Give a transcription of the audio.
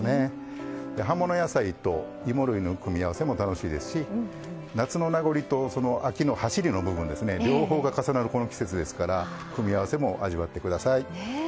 葉物野菜と芋類の組み合わせも楽しいですし夏の名残と秋のはしりの部分両方が重なるこの季節ですから組み合わせも味わって下さい。